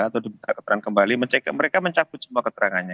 atau diminta keterangan kembali mereka mencabut semua keterangannya